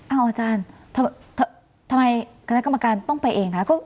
เอาอาจารย์ทำไมคณะกรรมการต้องไปเองคะ